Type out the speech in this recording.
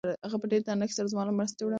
هغې په ډېر درنښت سره زما له مرستې مننه وکړه.